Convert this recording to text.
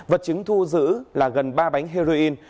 vật chứng thu giữ là gần ba bánh heroin